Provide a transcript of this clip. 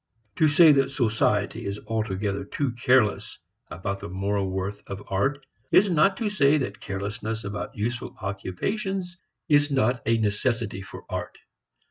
To say that society is altogether too careless about the moral worth of art is not to say that carelessness about useful occupations is not a necessity for art.